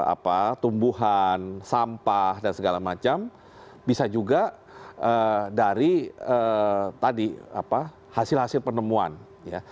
apa tumbuhan sampah dan segala macam bisa juga dari tadi apa hasil hasil penemuan ya